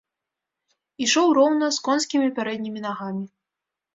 Ішоў роўна з конскімі пярэднімі нагамі.